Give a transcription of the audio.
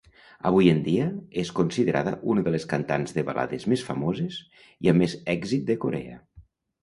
Avui en dia és considerada una de les cantants de balades més famoses i amb més èxit de Corea.